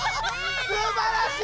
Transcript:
すばらしい！